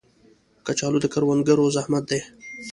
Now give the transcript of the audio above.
کچالو د کروندګرو زحمت دی